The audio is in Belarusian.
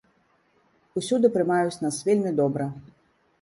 Усюды прымаюць нас вельмі добра.